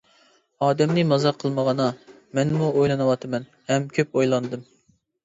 ئادەمنى مازاق قىلمىغىنا، مەنمۇ ئويلىنىۋاتىمەن ھەم كۆپ ئويلاندىم.